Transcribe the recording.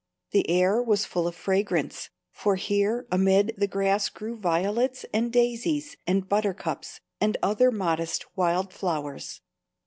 The air was full of fragrance, for here amid the grass grew violets and daisies and buttercups and other modest wild flowers.